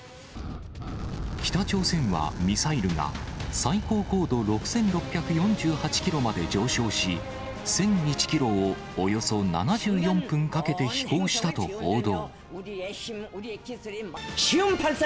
北朝鮮は、ミサイルが最高高度６６４８キロまで上昇し、１００１キロをおよそ７４分かけて飛行したと報道。